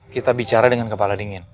kita bicara dengan kepala dingin